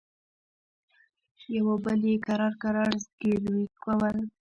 يوه بل يې کرار کرار زګيروي کول.